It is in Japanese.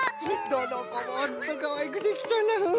どのこもほんとかわいくできたのう。